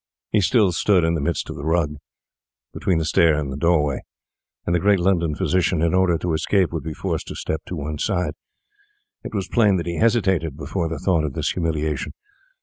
He still stood in the middle of the rug, between the stair and doorway; and the great London physician, in order to escape, would be forced to step to one side. It was plain that he hesitated before the thought of this humiliation.